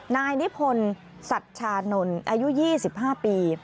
นายนิพนศัษย์ชานนอายุ๒๕ปี